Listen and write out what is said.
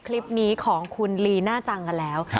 แล้วอันนี้ก็เปิดแล้ว